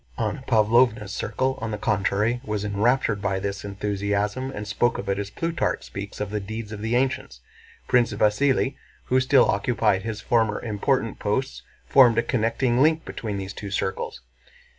Anna Pávlovna's circle on the contrary was enraptured by this enthusiasm and spoke of it as Plutarch speaks of the deeds of the ancients. Prince Vasíli, who still occupied his former important posts, formed a connecting link between these two circles.